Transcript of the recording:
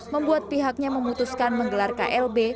membuat pihaknya memutuskan menggelar klb